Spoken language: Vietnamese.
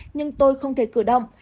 nhưng tôi không thể cử động